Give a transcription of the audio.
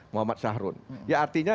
muhammad sahrun ya artinya